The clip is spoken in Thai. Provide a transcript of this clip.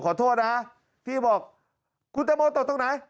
ขอโทษนะพี่บอกคุณตังโมตกตรงไหน